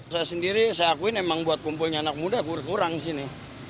saya sendiri saya akui memang buat kumpulnya anak muda berkurang disini